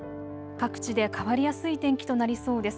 各地で変わりやすい天気となりそうです。